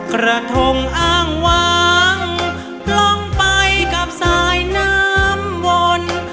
กระทงอ้างวางลงไปกับสายน้ำวน